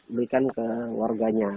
berikan ke warganya